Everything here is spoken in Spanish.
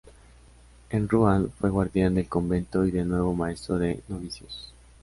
En Ruan fue guardián del convento y de nuevo maestro de novicios.